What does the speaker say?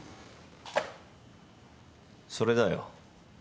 それだよ。